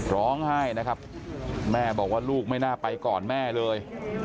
ร้องไห้นะครับแม่บอกว่าลูกไม่น่าไปก่อนแม่เลย